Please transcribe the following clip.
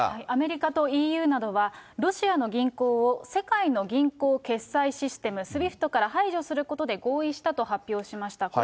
アメリカとＥＵなどは、ロシアの銀行を世界の銀行決済システム、ＳＷＩＦＴから排除することで合意したと発表しました。